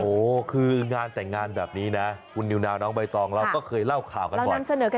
โอ้โหคืองานแต่งงานแบบนี้นะคุณนิวนาวน้องใบตองเราก็เคยเล่าข่าวกันก่อน